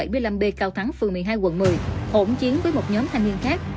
và một trăm bảy mươi năm b cao thắng phường một mươi hai quận một mươi hỗn chiến với một nhóm thanh niên khác